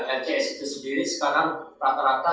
ncs itu sendiri sekarang rata rata